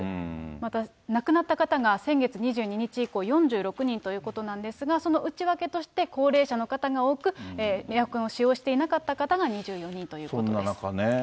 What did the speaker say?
また、亡くなった方が先月２２日以降、４６人ということなんですが、その内訳として、高齢者の方が多く、エアコンを使用していなかった方が２４人ということです。